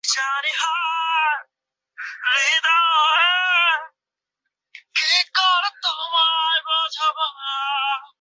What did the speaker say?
Rotor মেশিনে এই ধারণাটি নির্মাণ করা হয়, আসলে প্রতিটি কী স্ট্রোক এর সঙ্গে তারের পরিবর্তন।